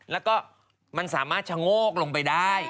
แล้วก็มันสามารถชะโงกลงไปได้